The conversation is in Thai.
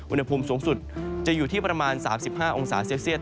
อุณหภูมิสูงสุดจะอยู่ที่ประมาณ๓๕องศาเซลเซียต